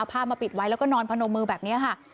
ผ้ามาปิดไว้แล้วก็นอนพนมมือแบบนี้ค่ะ